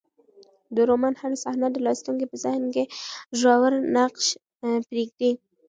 د رومان هره صحنه د لوستونکي په ذهن کې ژور نقش پرېږدي.